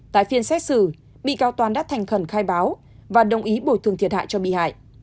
tại phiên xét xử bị cao toàn đã thành khẩn khai báo và đồng ý bồi thường thiệt hại cho bị hại